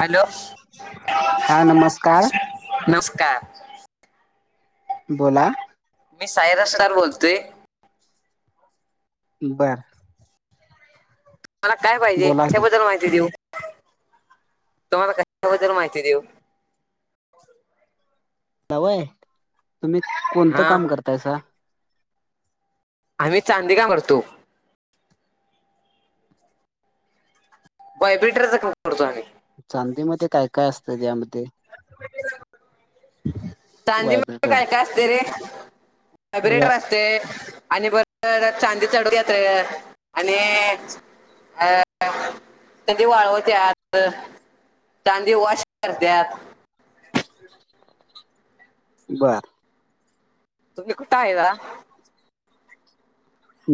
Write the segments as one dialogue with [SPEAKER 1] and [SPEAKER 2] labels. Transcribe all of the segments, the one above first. [SPEAKER 1] Hello
[SPEAKER 2] हा नमस्कार
[SPEAKER 1] नमस्कार
[SPEAKER 2] बोला
[SPEAKER 1] मी सायरा स्टार बोलतोय
[SPEAKER 2] बरं
[SPEAKER 1] मला काय पाहिजे
[SPEAKER 2] बोला की
[SPEAKER 1] त्याबद्दल माहिती देऊ तुम्हाला कबद्दल माहिती देऊ
[SPEAKER 2] दऊ आहे तुम्ही कोणतं
[SPEAKER 1] हा
[SPEAKER 2] काम करतायसा
[SPEAKER 1] आम्ही चांदी का करतो बाय बेटरच काम करतो आम्ही
[SPEAKER 2] चांदीमध्येध्ये काय काय असतं यामध्ये
[SPEAKER 1] चांदी म
[SPEAKER 2] व्हायब्रेटर
[SPEAKER 1] काय काय असते रे वयबरेटर असते. ते आणि बरर चांदी चढू येत आणि अ त्यां दिवाळ तर तांदी वॉश करत्याात.
[SPEAKER 2] बरं.
[SPEAKER 1] तुम्ही कुठा आहे.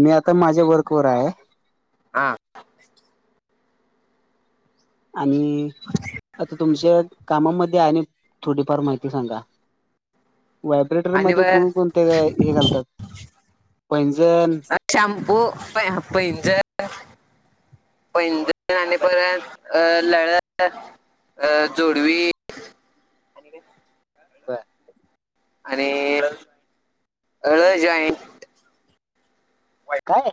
[SPEAKER 2] मी आता माझ्या वर्कवर आहे
[SPEAKER 1] हा
[SPEAKER 2] आणि आता तुमच्या कामामध्ये आहे आणि थोडीफार माहिती सांगा
[SPEAKER 1] आणि
[SPEAKER 2] व्हायब्रेटरमध्येध्ये
[SPEAKER 1] बरं
[SPEAKER 2] कोण कोणते हे घालतात पणजण
[SPEAKER 1] ापू हप इंच. पजपर्यंत अ लळ अ जोडवी आणि का?
[SPEAKER 2] बय.
[SPEAKER 1] आणि हळ जॉईंट
[SPEAKER 2] काय?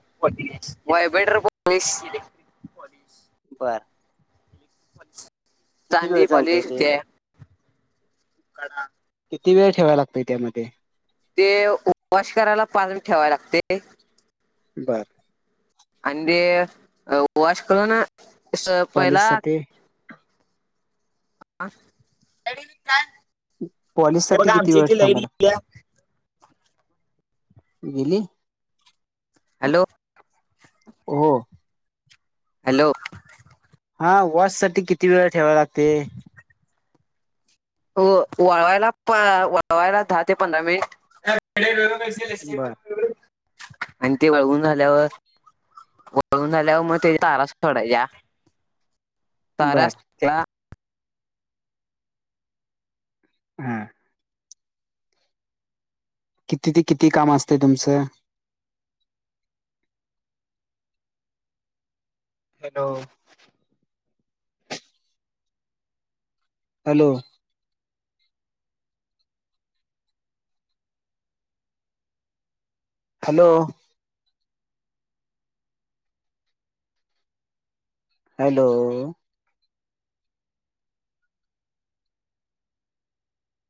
[SPEAKER 1] वयब्रेटर प
[SPEAKER 2] बरं.
[SPEAKER 1] अच्छा.
[SPEAKER 2] किती वेळ चालत आहे ते
[SPEAKER 1] [unintelligible]
[SPEAKER 2] किती वेळ ठेवाय लागतोय त्यामध्ये-
[SPEAKER 1] ते वश करायला पाार ठेवाय लागते.
[SPEAKER 2] बरं.
[SPEAKER 1] अ तेे वशकून स
[SPEAKER 2] पॉलिश
[SPEAKER 1] पहिला
[SPEAKER 2] साठी
[SPEAKER 1] ह रडी
[SPEAKER 2] पॉलिश साठी किती वेळ थांबााला गेली.
[SPEAKER 1] हॅलो.
[SPEAKER 2] हो हो.
[SPEAKER 1] हॅलो.
[SPEAKER 2] हा वॉश साठी किती वेळा ठेवा लागते.
[SPEAKER 1] हो वळवायला प वळवायला दहा ते पंधरा मिनिट
[SPEAKER 2] बर
[SPEAKER 1] आणि ते वळवून झाल्यावर वळून झाल्यावर मग त्याच्या तारास सोडायच्या तारा
[SPEAKER 2] बर
[SPEAKER 1] असला.
[SPEAKER 2] हां. किती ते किती काम असते तुमचं. हॅलो. हॅलो. हॅलो. हॅलो.